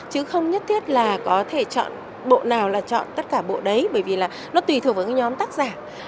chứ không nhất thiết là có thể chọn bộ nào là chọn tất cả bộ đấy bởi vì là nó tùy thuộc vào cái nhóm tác giả